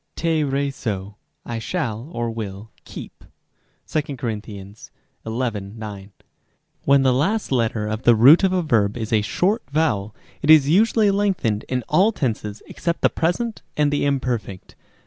τηρήσω, I shall, or will, keep. (2 Cor. xi. 9.) Rem. d. When the last letter of the root of a verb is a short vowel, it is usually lengthened in all tenses except the present and the imperfect.